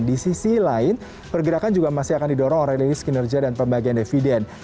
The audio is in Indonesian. di sisi lain pergerakan juga masih akan didorong oleh lini skinerja dan pembagian deviden